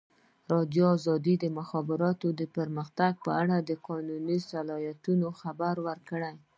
ازادي راډیو د د مخابراتو پرمختګ په اړه د قانوني اصلاحاتو خبر ورکړی.